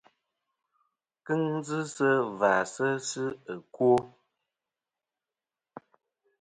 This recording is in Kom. Kɨŋ dzɨ sɨ và sɨ fsi ɨkwo.